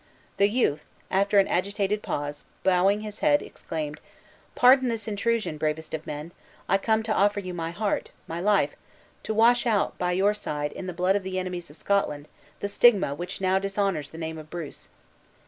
The youth, after an agitated pause, bowing his head, exclaimed: "Pardon this intrusion, bravest of men! I come to offer you my heart, my life! To wash out, by your side, in the blood of the enemies of Scotland, the stigma which now dishonors the name of Bruce!"